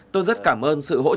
tôi rất cảm ơn sự hỗ trợ